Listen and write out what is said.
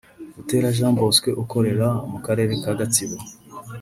Butera Jean Bosco ukorera mu karere ka Gatsibo